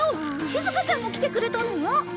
しずかちゃんも来てくれたの！？